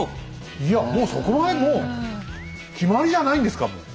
いやもうそこまでもう決まりじゃないんですかもう。